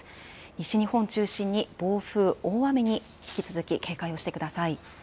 西日本中心に暴風、大雨に引き続き警戒をしてください。